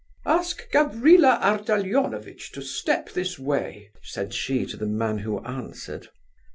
"Ask Gavrila Ardalionovitch to step this way," said she to the man who answered.